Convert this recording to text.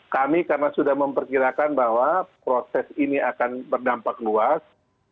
kami karena sudah memperkirakan bahwa proses ini akan berdampak luas